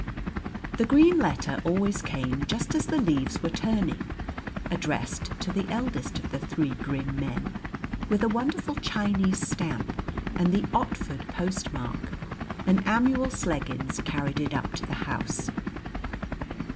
The green letter always came just as the leaves were turning, addressed to the eldest of the three grim men, with a wonderful Chinese stamp and the Otford post mark, and Amuel Sleggins carried it up to the house.